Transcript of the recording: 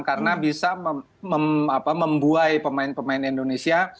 karena bisa membuai pemain pemain indonesia